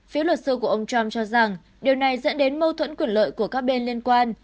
phía luật sư của ông trump cho rằng điều này dẫn đến mâu thuẫn quyền lợi của các bên liên quan